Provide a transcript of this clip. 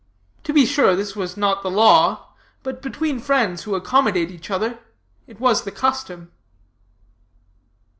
To be sure, this was not the law; but, between friends who accommodate each other, it was the custom.